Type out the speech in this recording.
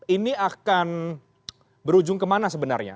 ini akan berujung kemana sebenarnya